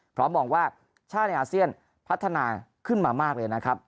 มองว่าชาติในอาเซียนพัฒนาขึ้นมามากเลยนะครับ